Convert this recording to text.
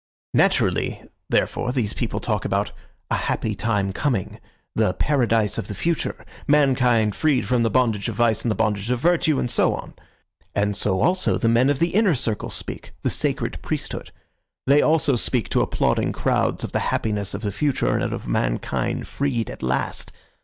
"Naturally, therefore, these people talk about 'a happy time coming'; 'the paradise of the future'; 'mankind freed from the bondage of vice and the bondage of virtue,' and so on. And so also the men of the inner circle speak—the sacred priesthood. They also speak to applauding crowds of the happiness of the future, and of mankind freed at last.